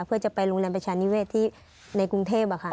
เพื่อจะไปโรงแรมประชานิเวศที่ในกรุงเทพค่ะ